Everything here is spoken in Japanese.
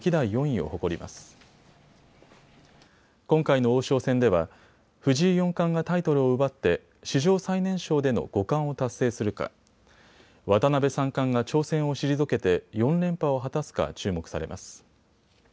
今回の王将戦では藤井四冠がタイトルを奪って史上最年少での五冠を達成するか、渡辺三冠が挑戦を退けて４連覇を果たすか注目されます。